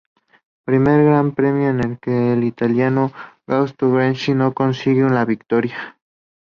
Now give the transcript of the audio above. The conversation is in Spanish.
Primer Gran Premio en el que el italiano Fausto Gresini no consigue la victoria.